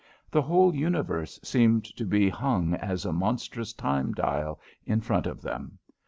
The whole universe seemed to be hung as a monstrous time dial in front of them.